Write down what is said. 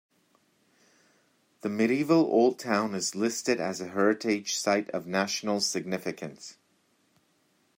The medieval old town is listed as a heritage site of national significance.